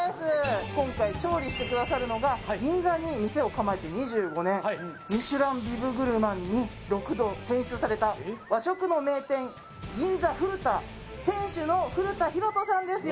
今回調理してくださるのがミシュランビブグルマンに６度選出された和食の名店「銀座ふる田」店主の古田浩人さんです